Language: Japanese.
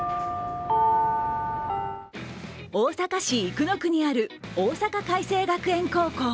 大阪市生野区にある大阪偕星学園高校。